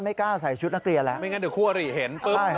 ไม่กล้าใส่ชุดนักเรียน